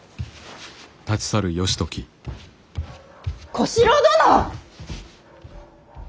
小四郎殿！